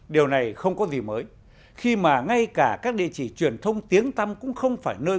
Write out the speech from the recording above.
điều này không có gì mới khi mà ngay cả các địa chỉ truyền thông tiếng tâm cũng không phải nơi